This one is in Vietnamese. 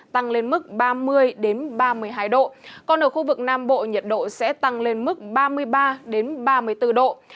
tăng lên mức ba mươi ba mươi hai độ còn ở khu vực nam bộ nhiệt độ sẽ tăng lên mức ba mươi ba ba mươi bốn độ